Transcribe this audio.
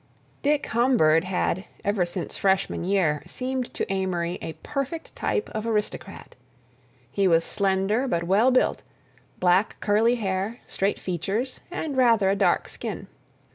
Dick Humbird had, ever since freshman year, seemed to Amory a perfect type of aristocrat. He was slender but well built—black curly hair, straight features, and rather a dark skin.